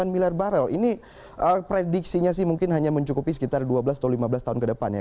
sembilan miliar barrel ini prediksinya sih mungkin hanya mencukupi sekitar dua belas atau lima belas tahun ke depan ya